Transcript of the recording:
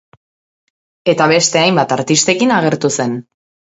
Eta beste hainbat artistekin agertu zen.